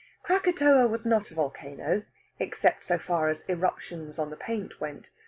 Krakatoa was not a volcano, except so far as eruptions on the paint went.